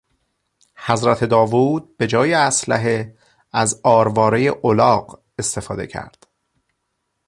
حضرت داود به جای اسلحه از آروارهی الاغ استفاده کرد.